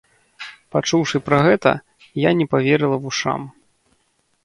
Пачуўшы пра гэта, я не паверыла вушам.